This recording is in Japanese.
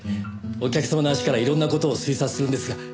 お客様の足からいろんな事を推察するんですが。